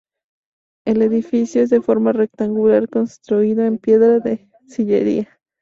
El edificio es de forma rectangular, construido en piedra de sillería.